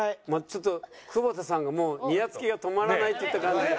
ちょっと久保田さんがもうにやつきが止まらないっていった感じで。